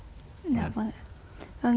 dạ vâng ạ